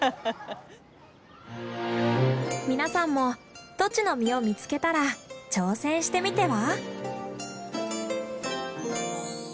皆さんもトチの実を見つけたら挑戦してみては？